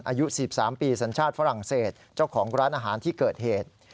อายุ๑๓ปีสัญชาติฝรั่งเศสเจ้าของร้านอาหารที่เกิดเหตุ